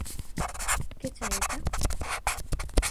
কে চায় এটা?